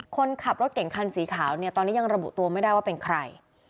คนขับรถเก่งคันสีขาวเนี่ยตอนนี้ยังระบุตัวไม่ได้ว่าเป็นใคร